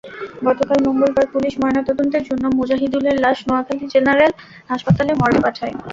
গতকাল মঙ্গলবার পুলিশ ময়নাতদন্তের জন্য মুজাহিদুলের লাশ নোয়াখালী জেনারেল হাসপাতালের মর্গে পাঠায়।